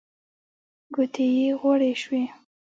ګوتې يې غوړې شوې.